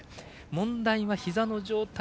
問題はひざの状態。